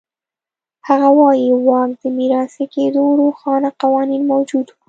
هغه وایي واک د میراثي کېدو روښانه قوانین موجود و.